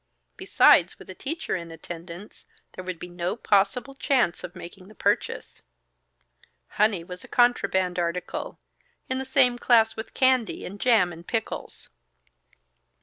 Besides, with a teacher in attendance, there would be no possible chance of making the purchase. Honey was a contraband article, in the same class with candy and jam and pickles.